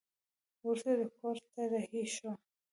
وروسته کور ته رهي شوه.